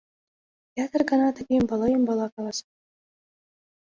Ятыр гана тыге ӱмбала-ӱмбала каласат.